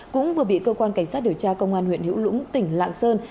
cũng vừa bị cơ quan cảnh sát điều tra công an huyện hữu lũng tỉnh lạng sơn